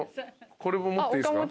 これも持っていいっすか？